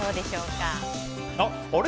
あれ？